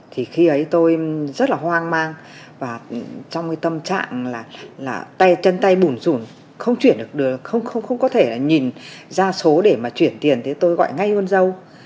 thì khi ấy tôi rất là hoang mang và trong cái tâm trạng là chân tay bùn rùn không chuyển được được không có thể là nhìn ra số để mà chuyển tiền thì tôi gọi ngay hôn dâu